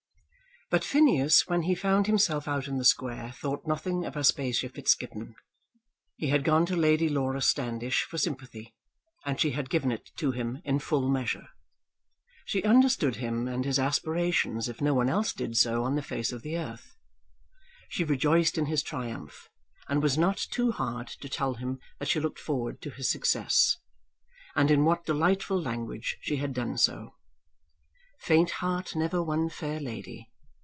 But Phineas when he found himself out in the square thought nothing of Aspasia Fitzgibbon. He had gone to Lady Laura Standish for sympathy, and she had given it to him in full measure. She understood him and his aspirations if no one else did so on the face of the earth. She rejoiced in his triumph, and was not too hard to tell him that she looked forward to his success. And in what delightful language she had done so! "Faint heart never won fair lady."